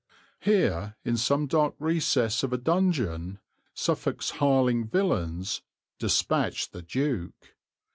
Here, in some dark recess of a dungeon, Suffolk's hireling villains "dispatched the Duke."